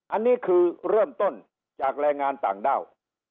อันนี้คือเริ่มต้นจากแรงงานต่างด้าว